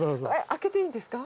開けていいんですか？